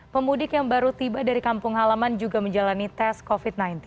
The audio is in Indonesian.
pemudik yang baru tiba dari kampung halaman juga menjalani tes covid sembilan belas